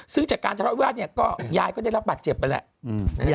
ซึ่งจากการทะเลาะว่ายายก็ได้รับบัตรเจ็บไปแหละ